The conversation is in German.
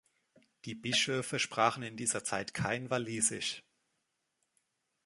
Die Bischöfe sprachen in dieser Zeit kein Walisisch.